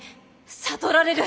悟られる！